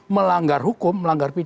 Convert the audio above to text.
melanggar hukum melanggar pijak